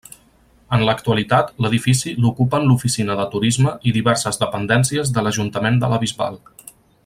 En l'actualitat l'edifici l'ocupen l'oficina de turisme i diverses dependències de l'Ajuntament de la Bisbal.